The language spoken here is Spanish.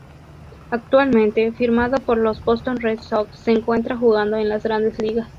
Actualmente, firmado por los Boston Red Sox, se encuentra jugando en las grandes ligas.